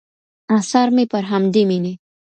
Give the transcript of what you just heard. آثار مې پر همدې مینې